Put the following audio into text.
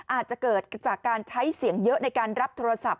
อาจจะเกิดจากการใช้เสียงเยอะในการรับโทรศัพท์